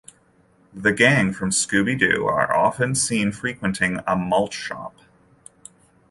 The gang from Scooby-Doo are often seen frequenting a malt shop.